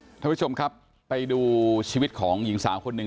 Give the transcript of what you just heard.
ท่านผู้ชมครับไปดูชีวิตของหญิงสาวคนหนึ่ง